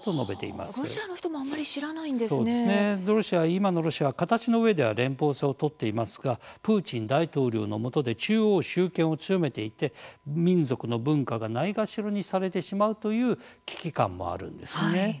今のロシアは形の上では連邦制を取っていますがプーチン大統領のもとで中央集権を強めていて民族の文化がないがしろにされてしまうという危機感もあるんですね。